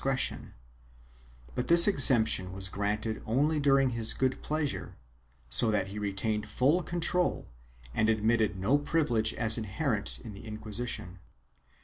Ill] TAXATION 377 cretion, but this exemption was granted only during his good pleasure, so that he retained full control and admitted no privi lege as inherent in the Inquisition.